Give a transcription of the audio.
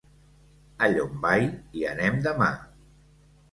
A Llombai hi anem demà.